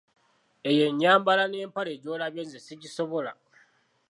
Eyo enyambala n’empale gy’olabye nze sigisobola.